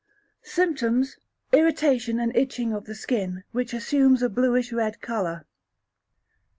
Symptoms. Irritation and itching of the skin, which assumes a bluish red colour.